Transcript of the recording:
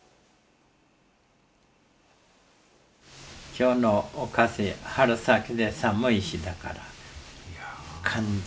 今日のお菓子春先で寒い日だから寒日。